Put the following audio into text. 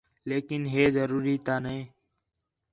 لیکن ہے ضروری تا نے